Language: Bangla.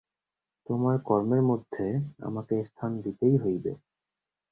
তোমার কর্মের মধ্যে আমাকে স্থান দিতেই হইবে।